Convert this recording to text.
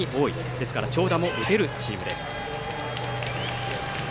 ですから長打も打てるチームです。